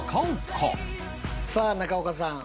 さあ中岡さん。